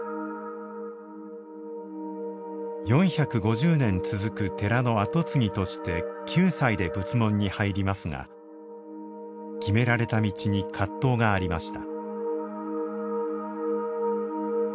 ４５０年続く寺の跡継ぎとして９歳で仏門に入りますが決められた道に葛藤がありました。